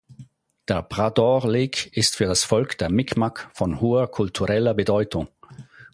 Der Bras d’Or Lake ist für das Volk der Mi'kmaq von hoher kultureller Bedeutung.